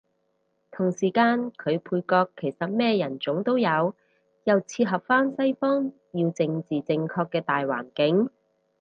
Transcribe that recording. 同時間佢配角其實咩人種都有，又切合返西方要政治正確嘅大環境